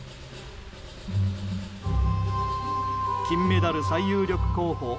金メダル最有力候補